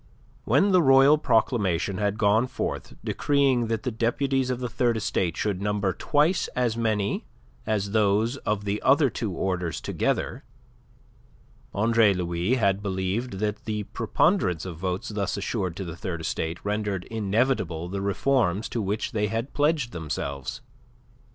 When the royal proclamation had gone forth decreeing that the deputies of the Third Estate should number twice as many as those of the other two orders together, Andre Louis had believed that the preponderance of votes thus assured to the Third Estate rendered inevitable the reforms to which they had pledged themselves.